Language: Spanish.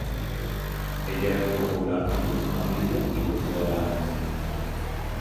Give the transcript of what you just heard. Ella era impopular entre su familia y los ciudadanos.